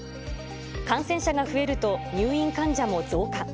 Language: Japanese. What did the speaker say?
感染者が増えると、入院患者も増加。